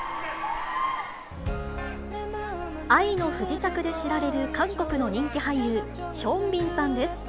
愛の不時着で知られる韓国の人気俳優、ヒョンビンさんです。